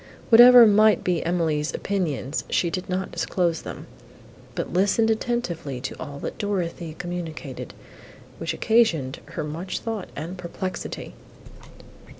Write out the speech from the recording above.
Whatever might be Emily's opinions, she did not disclose them, but listened attentively to all that Dorothée communicated, which occasioned her much thought and perplexity.